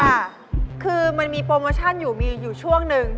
ค่ะคือมันมีโปรโมชั่นอยู่มีอยู่ช่วงหนึ่ง